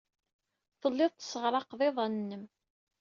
Telliḍ tesseɣraqeḍ iḍan-nnem.